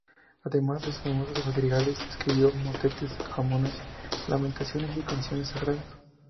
Además de sus famosos madrigales, escribió motetes, cánones, lamentaciones y canciones sagradas.